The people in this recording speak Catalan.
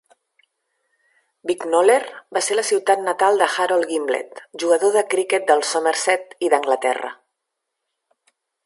Bicknoller va ser la ciutat natal de Harold Gimblett, jugador de criquet del Somerset i d'Anglaterra.